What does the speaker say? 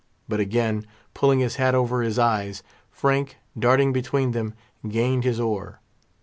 But again pulling his hat over his eyes, Frank, darting between them, gained his oar.